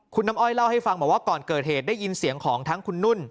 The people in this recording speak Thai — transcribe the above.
คุณน้ำอ้อยเล่าให้ฟังบอกว่าก่อนเกิดเหตุได้ยินเสียงของทั้งคุณนุ่น